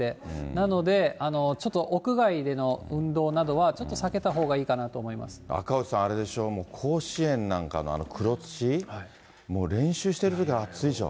なので、ちょっと屋外での運動などはちょっと避けたほうがいいかなと思い赤星さん、あれでしょ、甲子園なんかの黒土？猛練習してるとき、暑いでしょ。